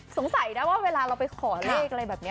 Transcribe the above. สงสัยนะว่าเวลาเราไปขอเลขอะไรแบบนี้